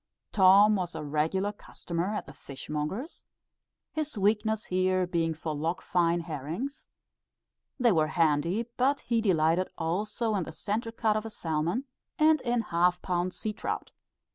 Tom was a regular customer at the fish monger's; his weakness here being for Loch Fyne herrings, they were handy; but he delighted also in the centre cut of a salmon, and in half pound sea trout.